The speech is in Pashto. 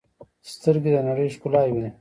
سترګې د نړۍ ښکلا ویني.